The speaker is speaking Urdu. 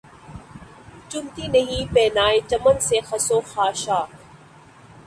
چنتی نہیں پہنائے چمن سے خس و خاشاک